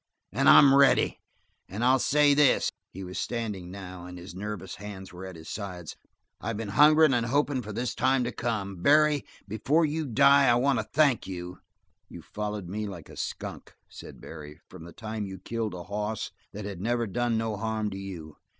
"And I'm ready. And I'll say this" he was standing, now, and his nervous hands were at his sides "I been hungerin' and hopin' for this time to come. Barry, before you die, I want to thank you!" "You've followed me like a skunk," said Barry, "from the time you killed a hoss that had never done no harm to you.